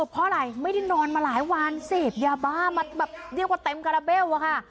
เพราะอะไรไม่ได้นอนมาหลายวันเสพยาบ้ามาแบบเรียกว่าเต็มคาราเบลอะค่ะ